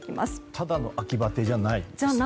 ただの秋バテじゃないんですね。